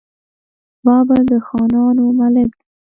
بابل د خانانو ملک دی.